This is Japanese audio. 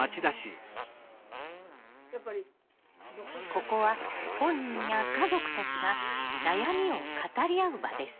ここは本人や家族たちが悩みを語り合う場です。